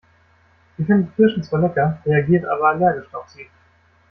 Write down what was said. Sie findet Kirschen zwar lecker, reagiert aber allergisch auf sie.